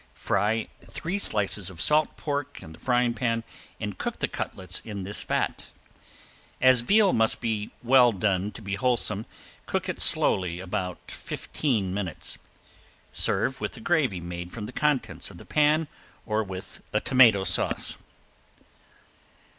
Fry three slices of salt pork in the frying pan and cook the cutlets in this fat. As veal must be well done to be wholesome, cook it slowly about fifteen minutes. Serve with a gravy made from the contents of the pan or with a tomato sauce.